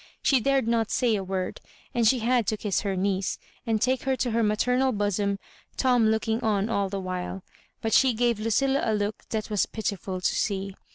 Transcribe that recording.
She dared not say a word, and she had to kiss her niece, and take her to her maternal bosom, Tom looking on all the while; but she gave Ludlla a look &at was pitiful to see.